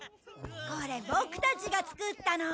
これボクたちが作ったの。